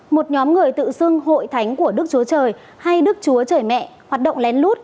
một nhóm người tự xưng hội thánh của đức chúa trời hay đức chúa trời mẹ hoạt động lén lút